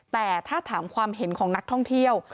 แต่ถ้าถามความเห็นของนักท่องเที่ยว